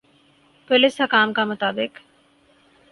police حکام کا مطابق